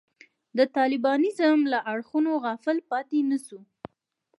د طالبانیزم له اړخونو غافل پاتې نه شو.